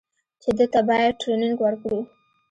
چې ده ته بايد ټرېننگ ورکړو.